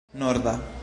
norda